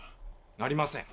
なりません。